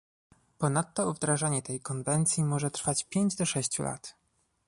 Ponadto wdrażanie tej konwencji może trwać pięć do sześciu lat